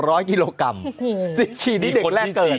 โอ้โฮมีคนที่๔ขีดไหมน้ำหนัก๔ขีดที่เด็กแรกเกิด